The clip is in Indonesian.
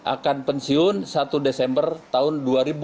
akan pensiun satu desember tahun dua ribu dua puluh